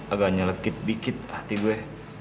agaknya lekit dikit hati gue